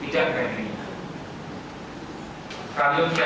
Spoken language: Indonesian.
tidak kaya ini kalium salida kalium salida kcn